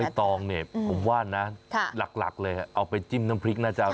ตองเนี่ยผมว่านะหลักเลยเอาไปจิ้มน้ำพริกน่าจะอร่อย